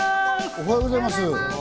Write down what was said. おっはようございます！